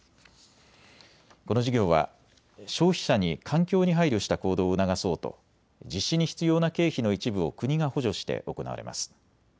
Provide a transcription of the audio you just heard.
この事業は消費者に環境に配慮した行動を促そうと実施に必要な経費の一部を国が補助して行われます。